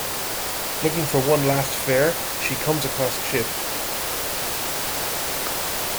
Looking for one last fare, she comes across Chip.